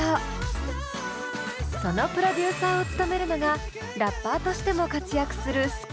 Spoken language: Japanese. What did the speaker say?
そのプロデューサーを務めるのがラッパーとしても活躍するＳＫＹ−ＨＩ。